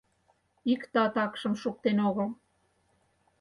Иктат акшым шуктен огыл.